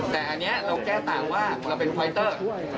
แต่ที่นี่เราแก้ตังว่าเป็นไคเตอร์